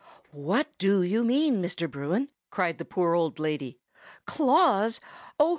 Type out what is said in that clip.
"What do you mean, Mr. Bruin?" cried the poor old lady. "Claws? Oh!